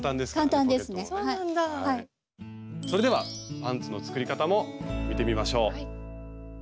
それではパンツの作り方も見てみましょう。